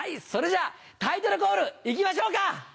それじゃタイトルコール行きましょうか。